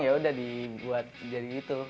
ya udah dibuat jadi itu